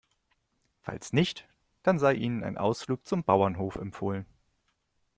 Falls nicht, dann sei Ihnen ein Ausflug zum Bauernhof empfohlen.